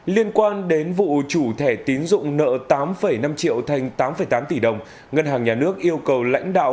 liên quan đến vụ chủ thẻ tín dụng nợ tám năm triệu thành tám tám tỷ đồng ngân hàng nhà nước yêu cầu lãnh đạo